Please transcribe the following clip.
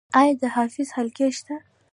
آیا د حفظ حلقې شته؟